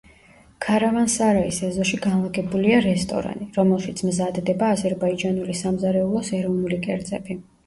ქარავან-სარაის ეზოში განლაგებულია რესტორანი, რომელშიც მზადდება აზერბაიჯანული სამზარეულოს ეროვნული კერძები.